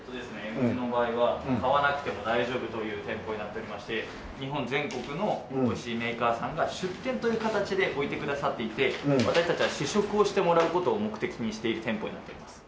うちの場合は買わなくても大丈夫という店舗になっておりまして日本全国の美味しいメーカーさんが出店という形で置いてくださっていて私たちは試食をしてもらう事を目的にしている店舗になっております。